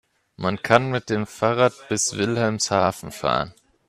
Man kann mit dem Fahrrad bis Wilhelmshaven fahren